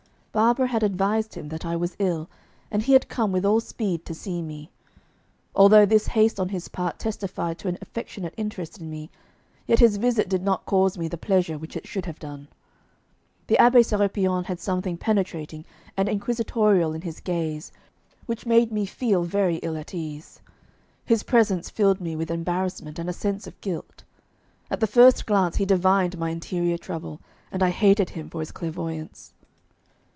Barbara had advised him that I was ill, and he had come with all speed to see me. Although this haste on his part testified to an affectionate interest in me, yet his visit did not cause me the pleasure which it should have done. The Abbé Sérapion had something penetrating and inquisitorial in his gaze which made me feel very ill at ease. His presence filled me with embarrassment and a sense of guilt. At the first glance he divined my interior trouble, and I hated him for his clairvoyance.